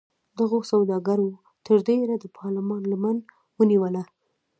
دغو سوداګرو تر ډېره د پارلمان لمن ونیوله.